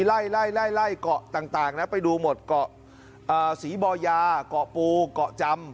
ไล่ไล่เกาะต่างนะไปดูหมดเกาะศรีบอยาเกาะปูเกาะจำ